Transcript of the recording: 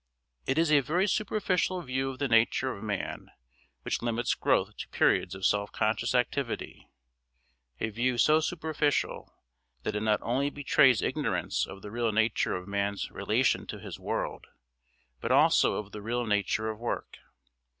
It is a very superficial view of the nature of man which limits growth to periods of self conscious activity; a view so superficial that it not only betrays ignorance of the real nature of man's relation to his world, but also of the real nature of work.